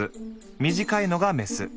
短いのがメス。